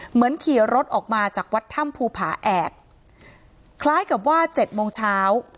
เหมือนขี่รถออกมาจากวัดถ้ำภูผาแอกคล้ายกับว่าเจ็ดโมงเช้า